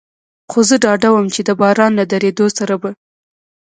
خو زه ډاډه ووم، چې د باران له درېدو سره به.